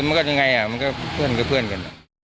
มันก็ยังไงอ่ะมันก็เพื่อนก็เพื่อนกัน